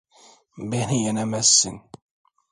Beni yenemezsin.